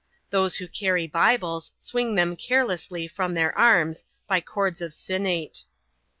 Those who carry Bibles, swing them carelessly from their arms, by cords of sinnate.